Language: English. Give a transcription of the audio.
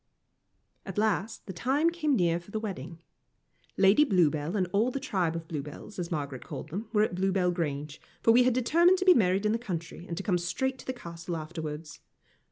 At last the time came near for the wedding. Lady Bluebell and all the tribe of Bluebells, as Margaret called them, were at Bluebell Grange, for we had determined to be married in the country, and to come straight to the Castle afterwards.